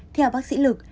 theo bác sĩ lực